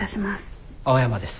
青山です。